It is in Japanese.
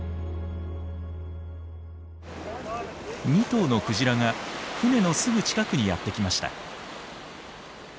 ２頭のクジラが船のすぐ近くにやって来ました。